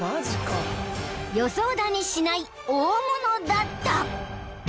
［予想だにしない大物だった］